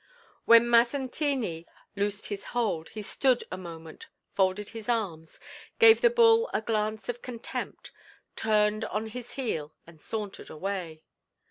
When Mazzantini loosed his hold, he stood a moment, folded his arms, gave the bull a glance of contempt, turned on his heel and sauntered away.